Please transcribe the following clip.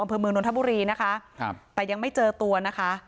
อำเภอเมืองนทบุรีนะคะครับแต่ยังไม่เจอตัวนะคะ